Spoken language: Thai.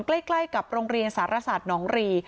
ใกล้ไกล่กับโรงเรียนศาสน์รสัตว์น้องรี